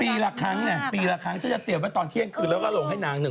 ปีละครั้งเนี่ยปีละครั้งจะเตรียมไปตอนเที่ยงคืนแล้วก็ลงให้นาง๑ปี